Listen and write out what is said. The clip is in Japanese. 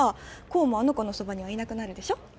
功もあの子のそばにはいなくなるでしょ？